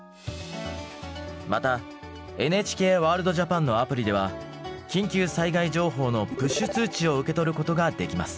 またＮＨＫワールドＪＡＰＡＮのアプリでは緊急災害情報のプッシュ通知を受け取ることができます。